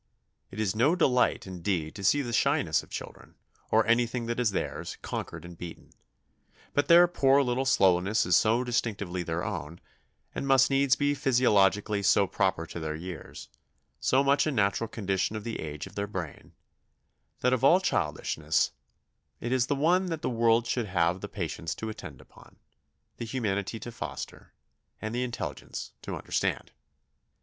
It is no delight, indeed, to see the shyness of children, or anything that is theirs, conquered and beaten; but their poor little slowness is so distinctively their own, and must needs be physiologically so proper to their years, so much a natural condition of the age of their brain, that of all childishnesses it is the one that the world should have the patience to attend upon, the humanity to foster, and the intelligence to understand.